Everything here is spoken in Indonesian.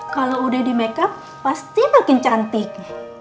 kalau udah di make up pasti makin cantik